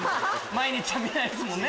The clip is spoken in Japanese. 毎日は見ないですもんね。